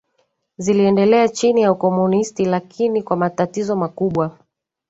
ziliendelea chini ya ukomunisti lakini kwa matatizo makubwa